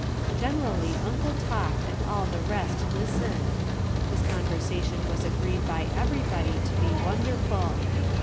Generally Uncle talked and all the rest listened. His conversation was agreed by everybody to be wonderful.